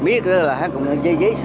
biết là hát cũng dây dây hát bình